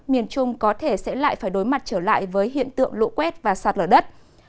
miền trung có thể sẽ lại phải đối mặt trở lại với hiện tượng lũ quét và sạt lở đất